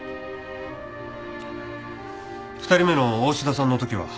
２人目の大志田さんの時は？